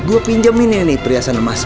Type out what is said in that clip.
gua pinjemin ini periasan emas